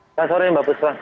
selamat sore mbak pusra